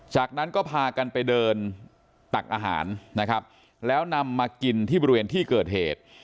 จากนั้นก็พากันไปเดินตักอาหารนะครับแล้วนำมากินที่บริเวณที่เกิดเหตุ